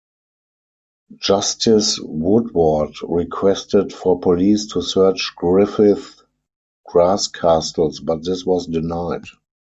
Justice Woodward requested for police to search Griffith's "grass castles" but this was denied.